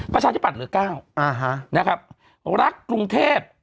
ประชาธิบัติเหลือเก้าอ่าฮะนะครับรักกรุงเทพ